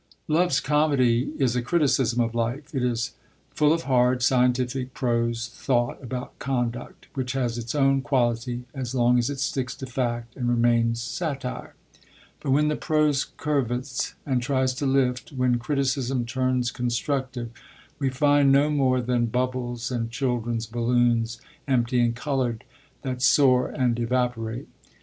Love's Comedy is a criticism of life; it is full of hard, scientific, prose thought about conduct, which has its own quality as long as it sticks to fact and remains satire; but when the prose curvets and tries to lift, when criticism turns constructive, we find no more than bubbles and children's balloons, empty and coloured, that soar and evaporate.